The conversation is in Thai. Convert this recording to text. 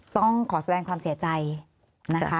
ต้องขอแสดงความเสียใจนะคะ